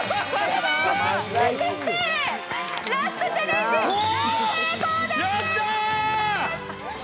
ラストチャレンジ、大成功でーす！